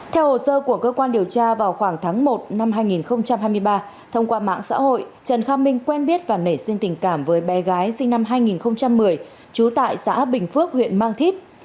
theo hồ sơ của cơ quan điều tra vào khoảng tháng một năm hai nghìn hai mươi ba thông qua mạng xã hội trần kha minh quen biết và nảy sinh tình cảm với bé gái sinh năm hai nghìn một mươi trú tại xã bình phước huyện mang thít